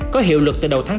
có hiệu lực từ đầu tháng tám